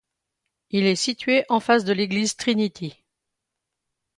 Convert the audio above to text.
Il est situé en face de l'église Trinity.